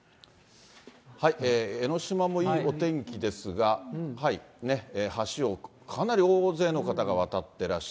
江の島もいいお天気ですが、橋をかなり大勢の方が渡ってらっ